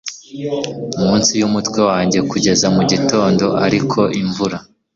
Munsi yumutwe wanjye kugeza mugitondo ariko imvura